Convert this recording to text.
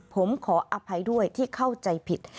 ผมขออภัยด้วยที่เข้าใจผิด